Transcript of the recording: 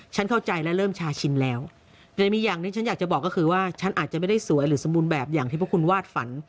เข้าใจและเริ่มชาชิมแล้วแต่มีอย่างที่ฉันอยากจะบอกก็คือว่าฉันอาจจะไม่ได้สวยหรือสมบูรณ์แบบอย่างที่พวกคุณวาดฝัน